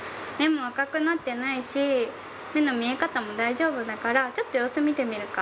目も赤くなってないし目の見え方も大丈夫だからちょっと様子見てみるか。